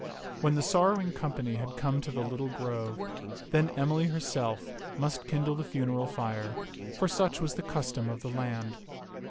When the sorrowing company had come to the lit tle grove, then Emily herself must kindle the funeral fire, for such was the custom of the land.